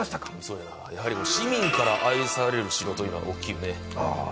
やはり市民から愛される城というのは大きいよねああ